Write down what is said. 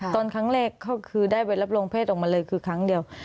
ตอนครั้งแรกก็คือได้ไปรับรองเศษออกมาเลยคือครั้งเดียว